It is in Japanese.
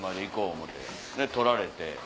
思てで取られて。